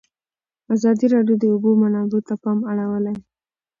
ازادي راډیو د د اوبو منابع ته پام اړولی.